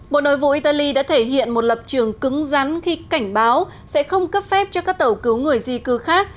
bộ nội vụ italy đã thể hiện một lập trường cứng rắn khi cảnh báo sẽ không cấp phép cho các tàu cứu người di cư khác